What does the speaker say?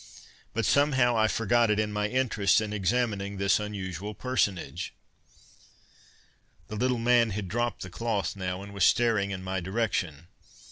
But somehow I forgot it in my interest in examining this unusual personage. The little man had dropped the cloth now, and was staring in my direction.